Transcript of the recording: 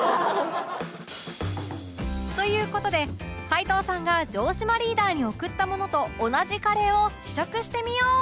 という事で齊藤さんが城島リーダーに贈ったものと同じカレーを試食してみよう！